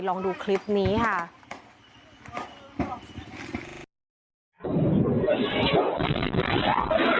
ลองดูคลิปนี้ค่ะ